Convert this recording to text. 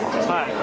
はい。